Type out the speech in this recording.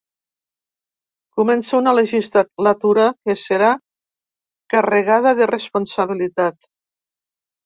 Comença una legislatura que serà carregada de responsabilitat.